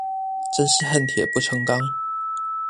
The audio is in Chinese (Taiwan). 真是恨鐵不成鋼